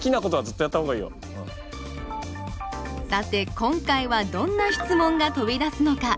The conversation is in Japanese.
今回はどんな質問が飛び出すのか！？